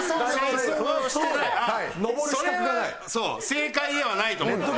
正解ではないと思って。